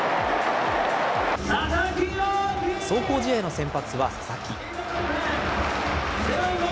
壮行試合の先発は佐々木。